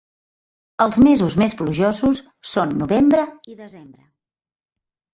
Els mesos més plujosos són novembre i desembre.